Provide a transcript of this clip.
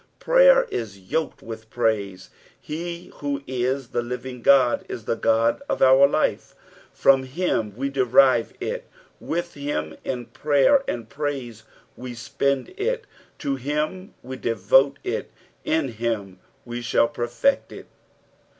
Prayer is yoked with ptaise. He who is the living Ood, is the God of our life, from him we derive it, with him in prayer and praise we spend it, to him we devote it, in him we shall perfect it.